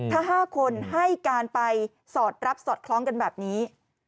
ถ้า๕คนให้การไปสอดรับสอดคล้องกันแบบนี้